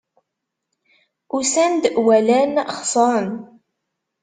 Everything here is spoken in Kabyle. Usan-d, walan, xeṣren.